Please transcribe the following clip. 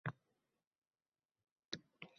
Bir oy to`lishini sanay boshlabdi